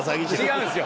違うんです。